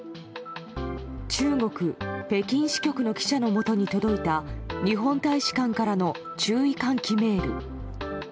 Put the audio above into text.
中国・北京支局の記者のもとに届いた、日本大使館からの注意喚起メール。